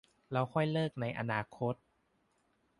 แล้วค่อยเลิกในอนาคต